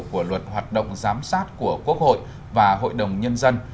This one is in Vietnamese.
của luật hoạt động giám sát của quốc hội và hội đồng nhân dân